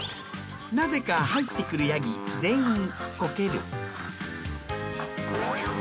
なぜか入ってくるヤギ全員コケる。